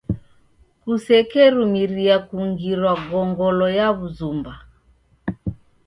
Kusekerumiria kungirwa gongolo ya w'azumba.